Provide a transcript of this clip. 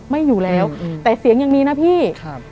ไม่อยู่แล้วแต่เสียงยังมีนะพี่ครับ